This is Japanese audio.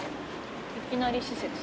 いきなり施設。